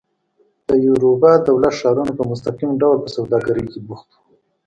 د یوروبا دولت ښارونه په مستقیم ډول په سوداګرۍ کې بوخت وو.